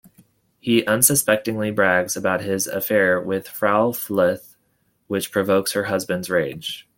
He unsuspectingly brags about his affair with Frau Fluth, which provokes her husband's rage.